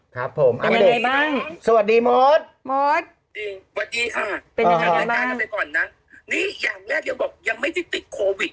ครับผมเป็นไงบ้างสวัสดีมศเป็นยังไงบ้างณมีอย่างแรกจะบอกหลวงตายังไม่ได้ติดโควิด